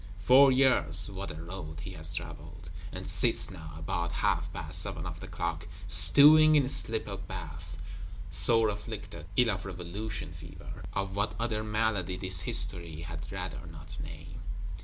Four years: what a road he has traveled: and sits now, about half past seven of the clock, stewing in slipper bath; sore afflicted; ill of Revolution Fever, of what other malady this History had rather not name.